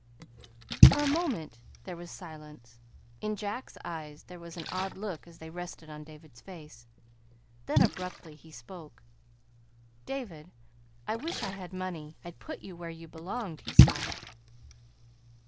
For a moment there was silence. In Mr. Jack's eyes there was an odd look as they rested on David's face. Then, abruptly, he spoke. "David, I wish I had money. I'd put you then where you belonged," he sighed.